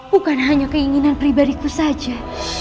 bukan hanya keinginan pribadiku saja